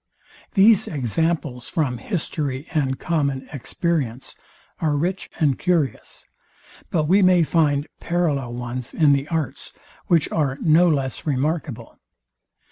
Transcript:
These examples from history and common experience are rich and curious; but we may find parallel ones in the arts, which are no less remarkable.